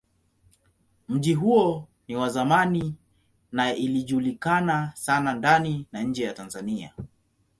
Mji huo ni wa zamani na ilijulikana sana ndani na nje ya Tanzania.